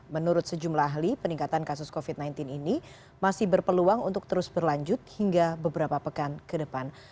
menurut sejumlah ahli peningkatan kasus covid sembilan belas ini masih berpeluang untuk terus berlanjut hingga beberapa pekan ke depan